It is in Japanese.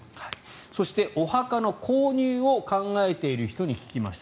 そして、お墓の購入を考えている人に聞きました。